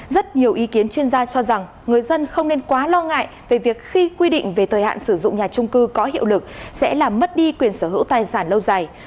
rất nhiều ý kiến chuyên gia cho rằng người dân không nên quá lo ngại về việc khi quy định về thời hạn sử dụng nhà trung cư có hiệu lực sẽ làm mất đi quyền sở hữu tài sản lâu dài